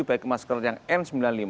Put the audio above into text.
baik masker yang n sembilan puluh lima